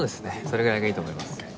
それぐらいがいいと思いますね。